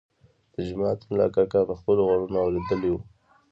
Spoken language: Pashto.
د جومات ملا کاکا په خپلو غوږونو اورېدلی و.